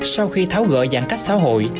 sau khi tháo gỡ giãn cách xã hội